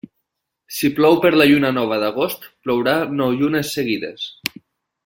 Si plou per la lluna nova d'agost, plourà nou llunes seguides.